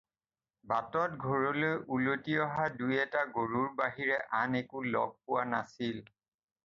বাটত ঘৰলৈ উলটি অহা দুই এটা গৰুৰ বাহিৰে আন একো লগ পোৱা নাছিল।